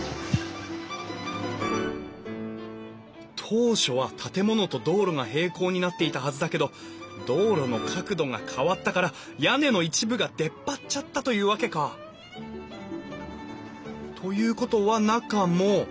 当初は建物と道路が平行になっていたはずだけど道路の角度が変わったから屋根の一部が出っ張っちゃったというわけか。ということは中も。